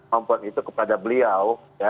mampu itu kepada beliau